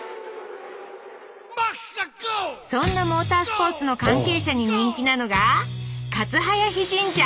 そんなモータースポーツの関係者に人気なのが勝速日神社。